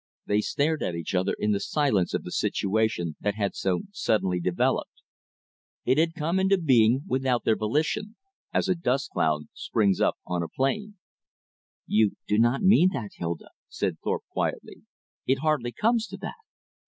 They stared at each other in the silence of the situation that had so suddenly developed. It had come into being without their volition, as a dust cloud springs up on a plain. "You do not mean that, Hilda," said Thorpe quietly. "It hardly comes to that."